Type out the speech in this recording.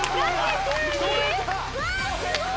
うわすごい！